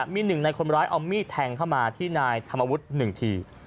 มีหนึ่งในคนร้ายเอามีดแทงเข้ามาที่นายธรรมวุฒิ๑ที